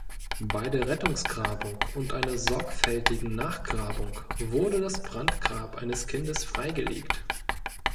Bei der Rettungsgrabung und einer sorgfältigen Nachgrabung wurde das Brandgrab eines Kindes freigelegt.